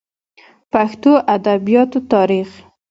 پښتو ادبياتو تاريخ